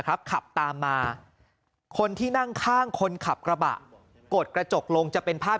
ขับตามมาคนที่นั่งข้างคนขับกระบะกดกระจกลงจะเป็นภาพ